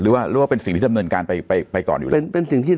หรือว่าเป็นสิ่งที่ดำเนินการก่อนอยู่หน่อย